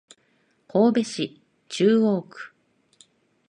神戸市中央区